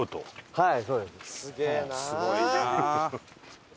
はい。